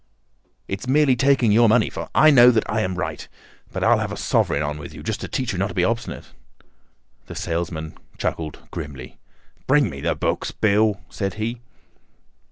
"It's merely taking your money, for I know that I am right. But I'll have a sovereign on with you, just to teach you not to be obstinate." The salesman chuckled grimly. "Bring me the books, Bill," said he.